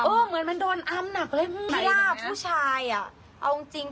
เหมือนมันโดนอำหนักเลยย่าผู้ชายอ่ะเอาจริงจริง